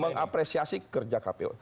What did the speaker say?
mengapresiasi kerja kpu